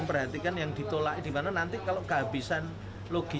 pertama ini yang dream world ini betul betul menjadi konsentrasi